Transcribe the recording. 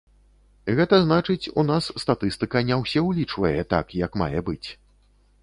Гэта значыць, у нас статыстыка не ўсе ўлічвае так, як мае быць.